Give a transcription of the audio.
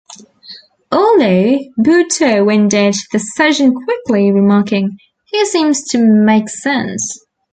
Although Bhutto ended the session quickly, remarking: "He seems to make sense".